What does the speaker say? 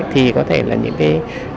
thì có thể là những cái